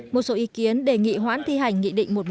một số ý kiến đề nghị hoãn thi hành nghị định một trăm một mươi ba